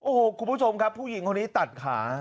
โอ้โหคุณผู้ชมครับผู้หญิงคนนี้ตัดขา